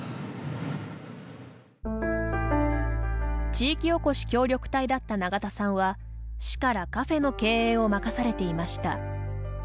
地域おこし協力隊だった永田さんは市からカフェの経営を任されていました。